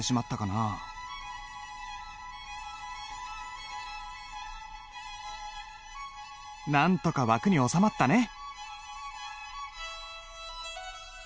なんとか枠に収まったね！